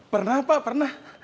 pernah pak pernah